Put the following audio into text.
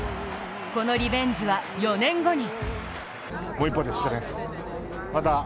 このリベンジは４年後に。